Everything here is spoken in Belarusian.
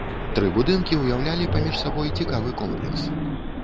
Тры будынкі ўяўлялі паміж сабой цікавы комплекс.